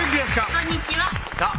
こんにちはさぁ